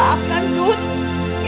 gak akan tuntut